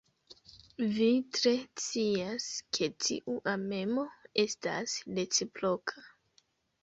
Vi tre scias, ke tiu amemo estas reciproka.